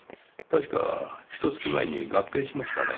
確かひと月前に合併しましたね。